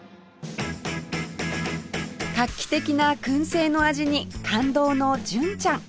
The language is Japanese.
画期的な燻製の味に感動の純ちゃん